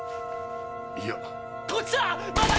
いや。こっちだ！